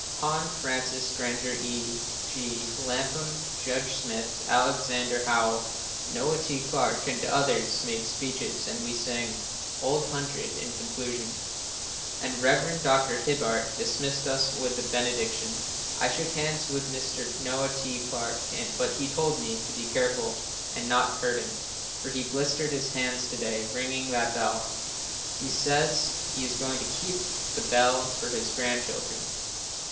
Hon. Francis Granger, E. G. Lapham, Judge Smith, Alexander Howell, Noah T. Clarke and others made speeches and we sang "Old Hundred" in conclusion, and Rev. Dr. Hibbard dismissed us with the benediction. I shook hands with Mr. Noah T. Clarke, but he told me to be careful and not hurt him, for he blistered his hands to day ringing that bell. He says he is going to keep the bell for his grandchildren.